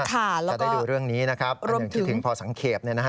จะได้ดูเรื่องนี้นะครับเป็นอย่างคิดถึงพอสังเกต